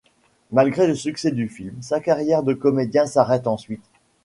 Malgré le succès du film, sa carrière de comédien s'arrête ensuite.